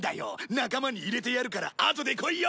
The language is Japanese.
仲間に入れてやるからあとで来いよ！